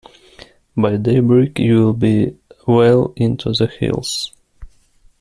By daybreak you’ll be well into the hills.